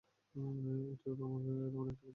এটিও তেমনই একটি গুজব।